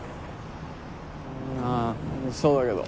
あそうだけど。